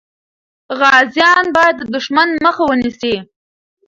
غازیان باید د دښمن مخه ونیسي.